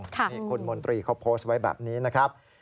จะเข้ามาจากฐานตรีเขาโพสต์ไว้แบบนี้นะครับ